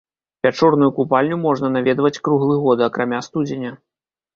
Пячорную купальню можна наведваць круглы год, акрамя студзеня.